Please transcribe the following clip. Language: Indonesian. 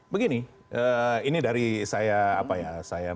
begini ini dari saya apa ya